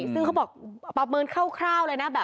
ซึ่งเขาบอกปรับเมืองเข้าเลยนะ